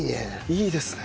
いいですね。